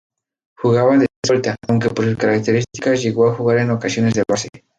Jugaba de escolta, aunque por sus características llegó a jugar en ocasiones de base.